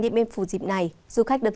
điện biên phủ dịp này du khách được